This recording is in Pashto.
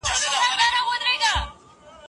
که طوفان بند نشي، موږ به د سیند له غاړې لرې شو.